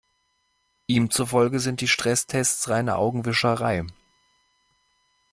Ihm zufolge sind die Stresstests reine Augenwischerei.